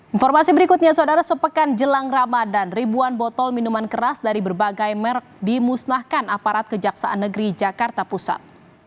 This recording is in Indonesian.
informasi berikutnya saudara sepekan jelang ramadan ribuan botol minuman keras dari berbagai merek dimusnahkan aparat kejaksaan negeri jakarta pusat